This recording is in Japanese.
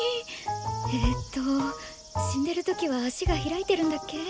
えと死んでる時は足が開いてるんだっけ？